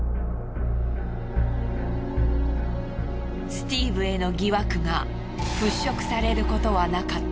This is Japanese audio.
スティーブへの疑惑が払拭されることはなかった。